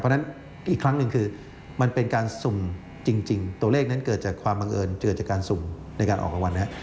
เพราะฉะนั้นอีกครั้งหนึ่งคือมันเป็นการสุ่มจริงตัวเลขนั้นเกิดจากความบังเอิญเกิดจากการสุ่มในการออกรางวัลนะครับ